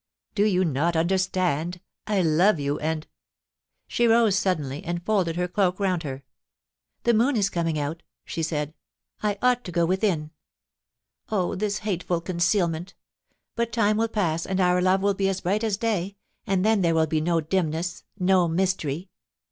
* Do you not understand ? I love you — and ....' She rose suddenly, and folded her cloak round her. * The moon is coming out,' she said. ' I ought to go THE TRYST BY THE BAMBOOS. 269 within. Oh ! this hateful concealment ; but time will pass and our love will be as bright as day, and then there will be no dimness, no mystery.